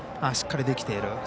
しっかりできている。